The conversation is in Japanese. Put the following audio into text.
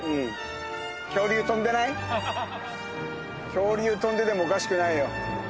恐竜飛んでてもおかしくないよ。